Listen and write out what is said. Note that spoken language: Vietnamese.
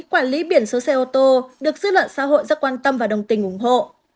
quản lý biển số xe ô tô được dư luận xã hội rất quan tâm và đồng tình ủng hộ